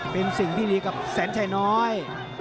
เป็นสิ่งที่ดีกับแสนชัยน้อย